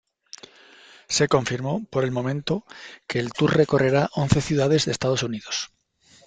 Se confirmó, por el momento, que el tour recorrerá once ciudades de Estados Unidos.